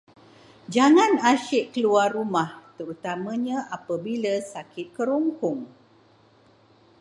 Jangan asyik keluar rumah, terutamanya apabila sakit kerongkong.